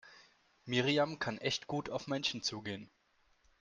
Miriam kann echt gut auf Menschen zugehen.